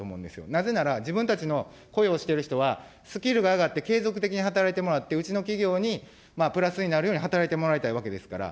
なぜなら、自分たちの雇用している人は、スキルが上がって継続的に働いてもらって、うちの企業にプラスになるように働いてもらいたいわけですから。